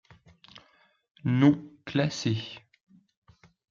Non classée.